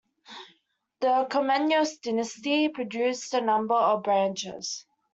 The Komnenos dynasty produced a number of branches.